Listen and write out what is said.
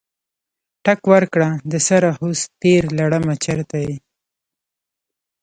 ټک ورکړه دسره هوس تیره لړمه چرته یې؟